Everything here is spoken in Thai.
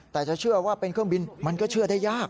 แต่จะเชื่อว่าเป็นเครื่องบินมันก็เชื่อได้ยาก